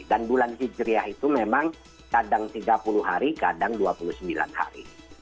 dan bulan hijriah itu memang kadang tiga puluh hari kadang dua puluh sembilan hari